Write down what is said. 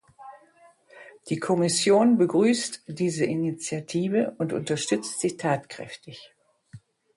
Die Kommission begrüßt diese Initiative und unterstützt sie tatkräftig.